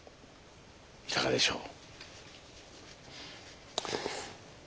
いかがでしょう？